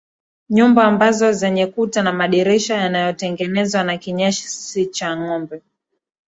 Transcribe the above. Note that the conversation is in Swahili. Nyumba ambazo zenye kuta na madirisha yanayotengenezwa na kinyesi cha ngombe